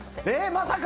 まさか！